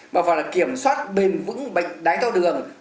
mà phải kiểm soát bền vững bệnh đáy thao đường